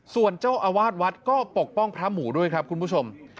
ส่วนเจ้าอาวาสวัดก็ปกป้องพระหมูด้วยครับคุณผู้ชม